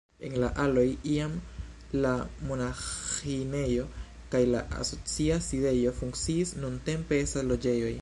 En la aloj iam la monaĥinejo kaj la asocia sidejo funkciis, nuntempe estas loĝejoj.